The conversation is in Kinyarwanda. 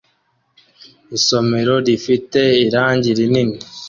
Isomero rifite irangi rinini